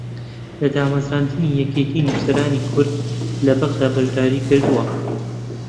لە دامەزراندنی یەکێتی نووسەرانی کورد لە بەغداد بەشداری کردووە